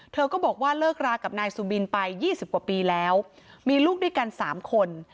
เธอก็บอกว่าเลิกรากับนายสุบินไป๒๐กว่าปีแล้วมีลูกด้วยกัน๓คน